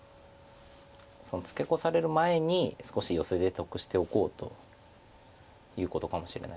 ツケコされる前に少しヨセで得しておこうということかもしれないです。